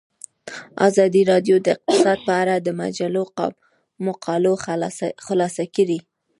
ازادي راډیو د اقتصاد په اړه د مجلو مقالو خلاصه کړې.